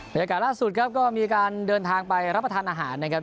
ยากล่าสุดครับก็มีการเดินทางไปรับประทานอาหารนะครับ